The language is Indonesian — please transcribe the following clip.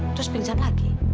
terus pingsan lagi